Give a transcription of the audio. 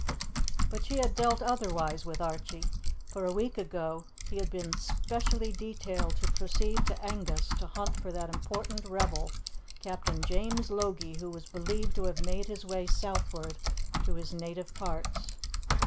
But she had dealt otherwise with Archie; for a week ago he had been specially detailed to proceed to Angus to hunt for that important rebel, Captain James Logie, who was believed to have made his way southward to his native parts.